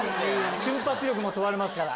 瞬発力も問われますから。